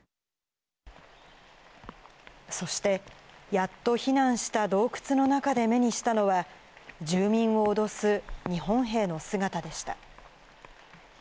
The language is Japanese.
そして、やっと避難した洞窟の中で目にしたのは、住民を脅す日本兵の姿でした。